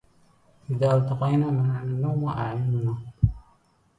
إذا التقينا منعنا النوم أعيننا